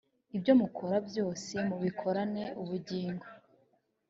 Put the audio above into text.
ibyo mukora byose mubikorane ubugingo